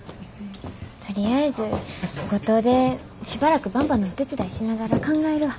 とりあえず五島でしばらくばんばのお手伝いしながら考えるわ。